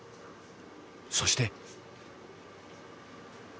そして。